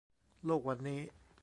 โลกวันนี้